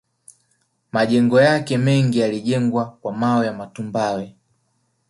Majengo yake mengi yalijengwa kwa mawe ya matumbawe